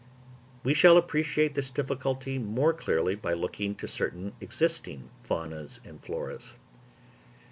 We shall appreciate this difficulty more clearly by looking to certain existing faunas and floras.